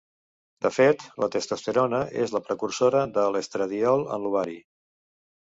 De fet, la testosterona és la precursora de l'estradiol en l'ovari.